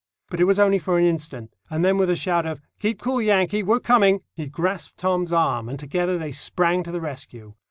But it was only for an instant; and then with a shout of "Keep cool, Yankee; we're coming!" he grasped Tom's arm, and together they sprang to the rescue.